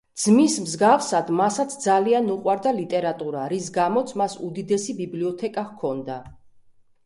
ძმის მსგავსად, მასაც ძალიან უყვარდა ლიტერატურა, რის გამოც მას უდიდესი ბიბლიოთეკა ჰქონდა.